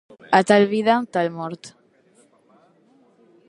A tal vida, tal mort.